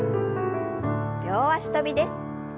両脚跳びです。